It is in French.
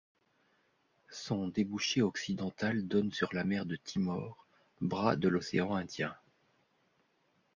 Son débouché occidental donne sur la mer de Timor, bras de l’océan Indien.